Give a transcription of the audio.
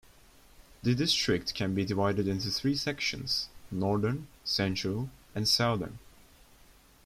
The district can be divided into three sections: northern, central, and southern.